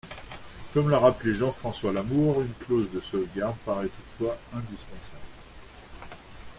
Comme l’a rappelé Jean-François Lamour, une clause de sauvegarde paraît toutefois indispensable.